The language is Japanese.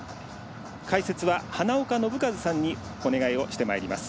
解説は花岡伸和さんにお願いをしてまいります。